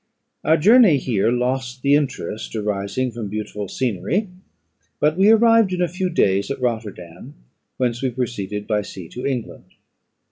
Our journey here lost the interest arising from beautiful scenery; but we arrived in a few days at Rotterdam, whence we proceeded by sea to England.